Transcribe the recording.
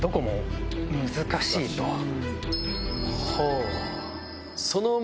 ほう。